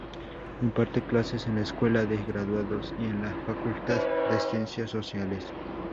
Imparte clases en la Escuela de Graduados y en la Facultad de Ciencias Sociales.